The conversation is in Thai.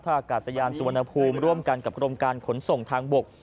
อากาศยานสุวรรณภูมิร่วมกันกับกรมการขนส่งทางบก